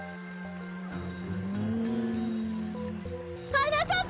はなかっ